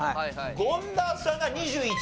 権田さんが２１。